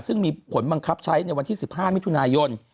ซึ่งมีผลบังคับใช้ในวันที่๑๕มิถุนายน